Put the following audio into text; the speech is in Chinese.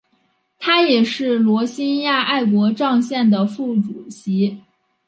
他也是罗兴亚爱国障线的副主席。